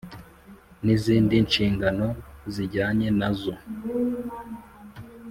N izindi nshingano zijyanye na zo